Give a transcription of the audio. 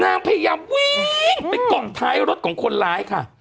นางพยายามวิ่งไปกล่องท้ายรถของคนร้ายค่ะ